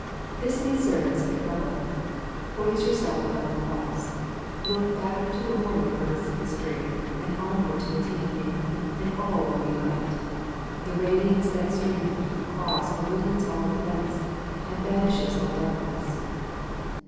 This may serve as a parable. Poise yourself above the cross ; look back to the morning of earth's history, and onward to its evening— and all will be light. The radiance that streams from the cross illumines all events, and banishes all darkness.